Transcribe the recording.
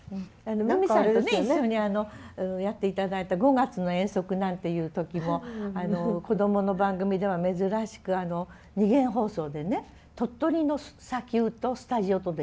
美巳さんとね一緒にやって頂いた「５月の遠足」なんていう時もこどもの番組では珍しく二元放送でね鳥取の砂丘とスタジオとでやったのね。